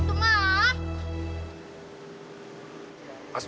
aduh buruan kutu sini